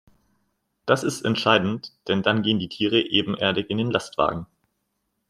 Das ist entscheidend, denn dann gehen die Tiere ebenerdig in den Lastwagen.